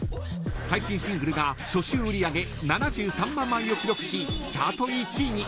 最新シングルが初週売り上げ７３万枚を記録しチャート１位に。